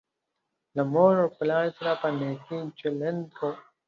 له مور او پلار سره په نیکۍ چلند کوه